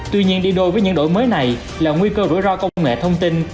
tuy nhiên đi đôi với những đổi mới này là nguy cơ rủi ro công nghệ thông tin